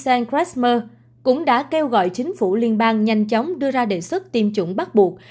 thủ hiến bang sartre ông michel krasmer cũng đã kêu gọi chính phủ liên bang nhanh chóng đưa ra đề xuất tiêm chủng bắt buộc